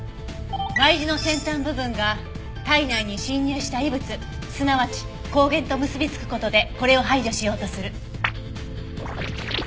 Ｙ字の先端部分が体内に侵入した異物すなわち抗原と結び付く事でこれを排除しようとする。